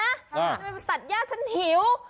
ทำไมไปตัดย่าฉันหิว